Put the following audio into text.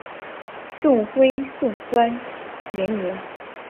宋徽宗大观元年。